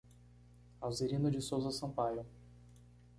Alzerina de Souza Sampaio